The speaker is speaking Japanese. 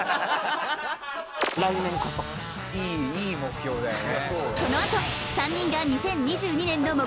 いい目標だよね。